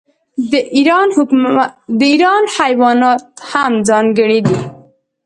د ایران حیوانات هم ځانګړي دي.